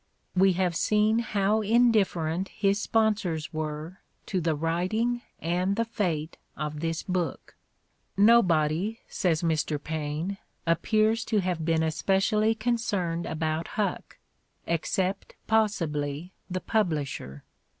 We have seen how' indifferent his sponsors were to the writing and the fate of this book :'' nobody, '' says Mr. Paine, '' appears to have been especially concerned about Huck, except, possibly, the publisher."